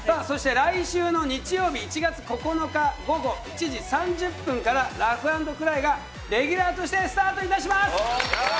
そして来週の日曜日１月９日午後１時３０分から「ラフ＆クライ！」がレギュラーとしてスタートいたします！